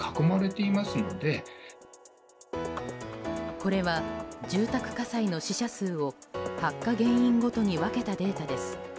これは住宅火災の死者数を発火原因ごとに分けたデータです。